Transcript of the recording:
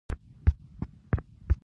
قوانونو سره تعارض کې واقع نه شي.